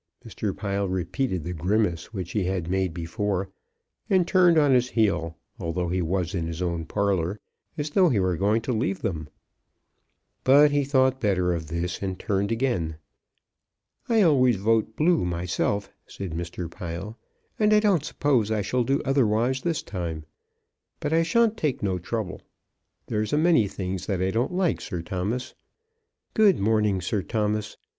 Mr. Pile repeated the grimace which he had made before, and turned on his heel although he was in his own parlour, as though he were going to leave them. But he thought better of this, and turned again. "I always vote Blue myself," said Mr. Pile, "and I don't suppose I shall do otherwise this time. But I shan't take no trouble. There's a many things that I don't like, Sir Thomas. Good morning, Sir Thomas.